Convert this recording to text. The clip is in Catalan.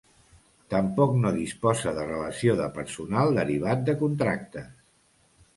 Tampoc no disposa de relació de personal derivat de contractes.